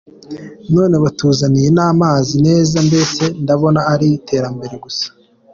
None batuzaniye n’amazi meza, mbese ndabona ari iterambere gusa.